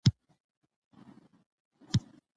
افغانستان د هلمند سیند له مخې پېژندل کېږي.